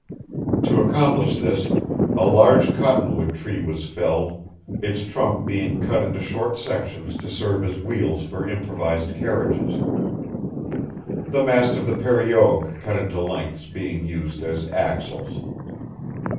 To accomplish this, a large cottonwood tree was felled, its trunk being cut into short sections to serve as wheels for improvised carriages; the mast of the periogue, cut into lengths, being used as axles.